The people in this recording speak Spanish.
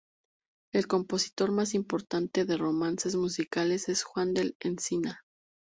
El compositor más importante de romances musicales es Juan del Encina.